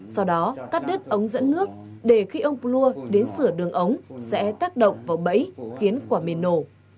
sau đó cắt đứt ống dẫn nước để khi ông plua đến sửa đường ống sẽ tác động vào bẫy khiến quả mìn nổ